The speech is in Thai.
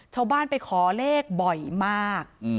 ชาวบ้านไปขอเลขบ่อยมาก